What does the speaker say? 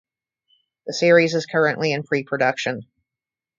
The series is currently in preproduction.